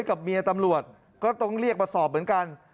กับเมียตำรวจก็ต้องเรียกมาสอบเหมือนกัน